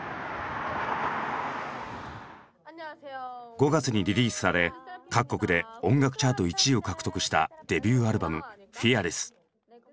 ５月にリリースされ各国で音楽チャート１位を獲得したデビューアルバム「ＦＥＡＲＬＥＳＳ」。